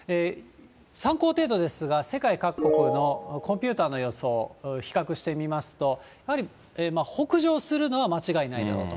参考程度ですが、世界各国のコンピューターの予想を比較してみますと、やはり北上するのは間違いないだろうと。